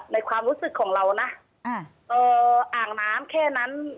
ในความรู้สึกของเรานะอ่างน้ำแค่นั้น